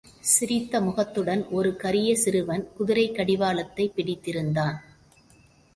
சிரித்த முகத்துடன் ஒரு கரிய சிறுவன், குதிரைக் கடிவாளத்தைப் பிடித்திருந்தான்.